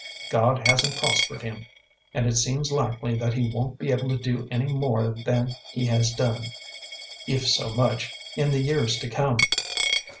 God hasn't prospered him, and it seems likely that he won't be able to do any more than he has done, if so much, in the years to come.